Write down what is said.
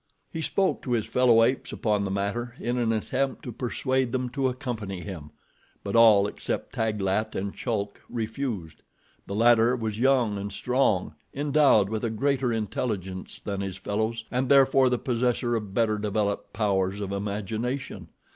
He spoke to his fellow apes upon the matter, in an attempt to persuade them to accompany him; but all except Taglat and Chulk refused. The latter was young and strong, endowed with a greater intelligence than his fellows, and therefore the possessor of better developed powers of imagination.